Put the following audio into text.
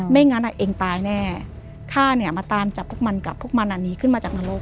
ไม่งั้นเองตายแน่ข้าเนี่ยมาตามจับพวกมันกับพวกมันอันนี้ขึ้นมาจากนรก